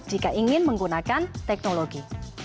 jika ingin menggunakan teknologi